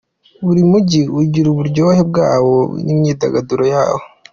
Buri mujyi ugira uburyohe bwawo, n’imyidagaduro yawo.